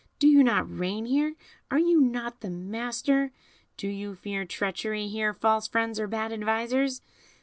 do you not reign here? are you not the master? Do you fear treachery here, false friends, or bad advisers?